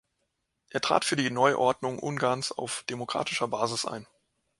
Er trat für die Neuordnung Ungarns auf demokratischer Basis ein.